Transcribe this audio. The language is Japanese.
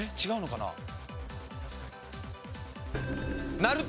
違うのかな？